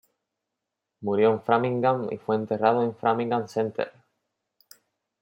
Murió en Framingham y fue enterrado en "Framingham Centre".